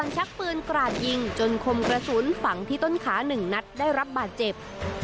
ชักปืนกราดยิงจนคมกระสุนฝังที่ต้นขา๑นัดได้รับบาดเจ็บ